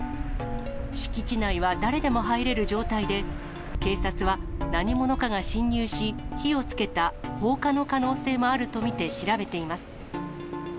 敷地内は誰でも入れる状態で、警察は何者かが侵入し、火をつけた放火の可能性もあると見て、調べています。